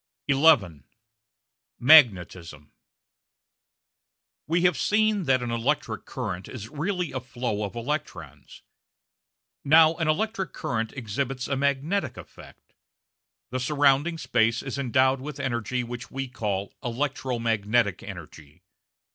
§ 11 Magnetism We have seen that an electric current is really a flow of electrons. Now an electric current exhibits a magnetic effect. The surrounding space is endowed with energy which we call electro magnetic energy.